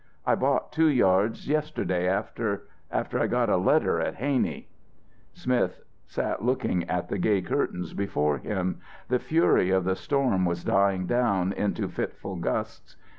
"I bought two yards yesterday after I got a letter at Haney." Smith sat looking at the gay curtains before him. The fury of the storm was dying down into fitful gusts.